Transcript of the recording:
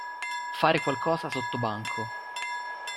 Fare qualcosa sottobanco.